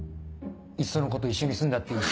いっそのこと一緒に住んだっていいし。